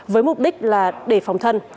với mục đích là để phòng thân